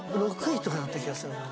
６位とかだった気がするな。